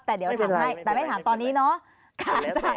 แต่เดี๋ยวถามให้แต่ไม่ถามตอนนี้เนาะ